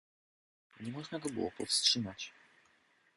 "Nie można go było powstrzymać."